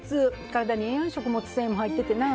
体にええやん食物繊維も入っててな。